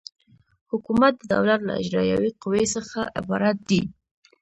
حکومت د دولت له اجرایوي قوې څخه عبارت دی.